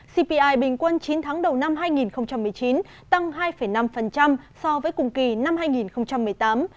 cpi bình quân chín tháng đầu năm hai nghìn một mươi chín tăng hai năm so với cùng kỳ năm hai nghìn một mươi tám